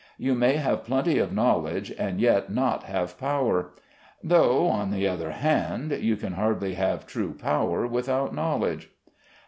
You may have plenty of knowledge and yet not have power; though, on the other hand, you can hardly have true power without knowledge.